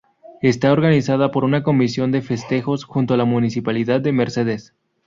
Está organizada por una comisión de festejos, junto a la Municipalidad de Mercedes.